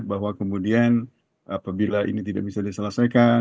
bahwa kemudian apabila ini tidak bisa diselesaikan